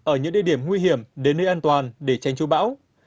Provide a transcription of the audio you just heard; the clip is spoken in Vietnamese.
ở những địa điểm nguy hiểm đến nơi an toàn để tranh chú bão